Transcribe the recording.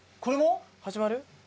始まる？